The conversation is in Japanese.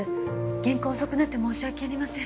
原稿遅くなって申し訳ありません。